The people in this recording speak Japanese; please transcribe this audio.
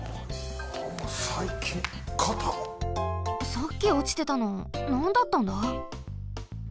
さっきおちてたのなんだったんだ？